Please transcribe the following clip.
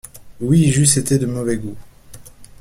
Oui, j’eusse été de mauvais goût.